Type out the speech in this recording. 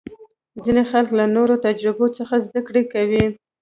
ځینې خلک له نورو تجربو څخه زده کړه کوي.